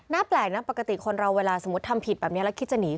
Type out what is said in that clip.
แปลกนะปกติคนเราเวลาสมมุติทำผิดแบบนี้แล้วคิดจะหนี